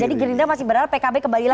jadi gerindra masih berada pkb kembali lagi